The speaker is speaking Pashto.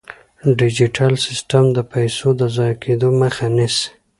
ډیجیټل سیستم د پيسو د ضایع کیدو مخه نیسي.